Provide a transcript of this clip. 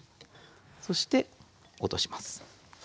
そして落とします。